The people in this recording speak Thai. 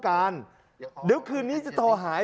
การเงินมันมีฝ่ายฮะ